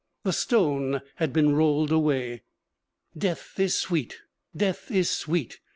The stone had been rolled away. 'Death is sweet! Death is sweet!'